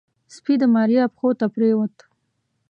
سپي د ماريا پښو ته پرېوت.